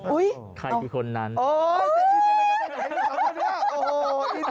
อุ๊ยใครที่คนนั้นโอ้โฮ